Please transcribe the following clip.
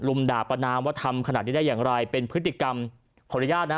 ด่าประนามว่าทำขนาดนี้ได้อย่างไรเป็นพฤติกรรมขออนุญาตนะ